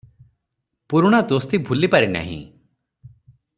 ପୁରୁଣା ଦୋସ୍ତି ଭୁଲି ପାରି ନାହିଁ ।